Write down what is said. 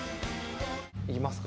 いきますか？